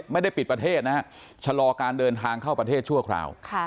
ไม่ได้ปิดประเทศนะฮะชะลอการเดินทางเข้าประเทศชั่วคราว